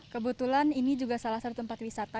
kebetulan ini juga salah satu tempat wisata